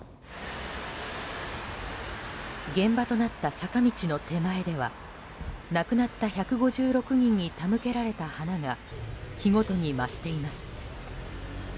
現場となった坂道の手前では亡くなった１５６人に手向けられた花が日ごとに増しています。